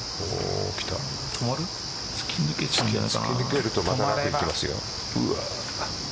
つけ抜けると、またいきますよ。